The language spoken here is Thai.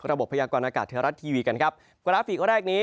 พยากรณากาศไทยรัฐทีวีกันครับกราฟิกแรกนี้